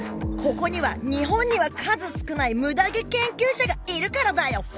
ここには日本には数少ないムダ毛研究者がいるからだよ。